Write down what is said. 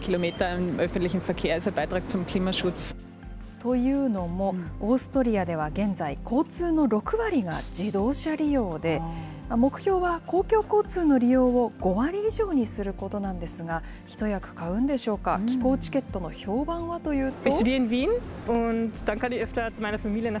というのも、オーストリアでは現在、交通の６割が自動車利用で、目標は公共交通の利用を５割以上にすることなんですが、一役買うんでしょうか、気候チケットの評判はというと。